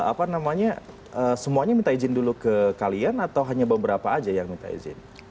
apa namanya semuanya minta izin dulu ke kalian atau hanya beberapa aja yang minta izin